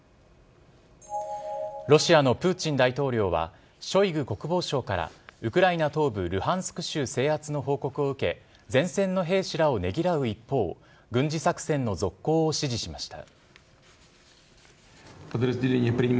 ロシアのプーチン大統領はショイグ国防相から、ウクライナ東部ルハンスク州制圧の報告を受け、前線の兵士らをねぎらう一方、軍事作戦の続行を指示しました。